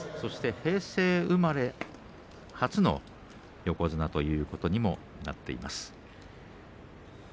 平成生まれ初の横綱ということになっています。